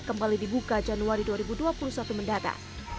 kembali dibuka januari dua ribu dua puluh satu mendatang